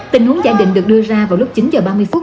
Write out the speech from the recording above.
tình huống giả định được đưa ra vào lúc chín h ba mươi phút